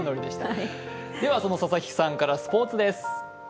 佐々木さんからスポ−ツです。